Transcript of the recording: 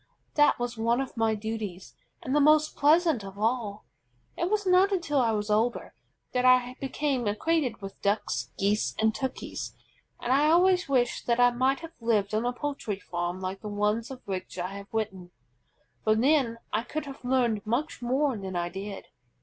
That was one of my duties, and the most pleasant of all. It was not until I was older that I became acquainted with Ducks, Geese, and Turkeys, and I always wish that I might have lived on a poultry farm like the one of which I have written, for then I could have learned much more than I did.